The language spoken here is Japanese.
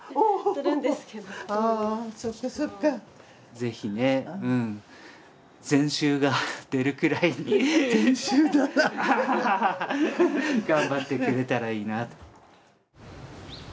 是非ねうん全集が出るくらいに頑張ってくれたらいいなと。